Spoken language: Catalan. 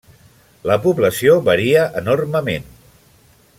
La població varia enormement.